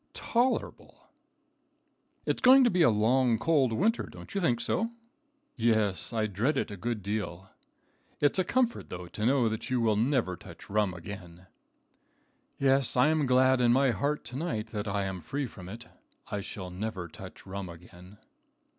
"Tolerable." "It's going to be a long, cold winter; don't you think so?" "Yes, I dread it a good deal." "It's a comfort, though, to know that you never will touch rum again." "Yes, I am glad in my heart to night that I am free from it. I shall never touch rum again."